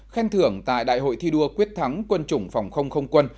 khen thưởng tại đại hội thi đua quyết thắng quân chủng phòng không không quân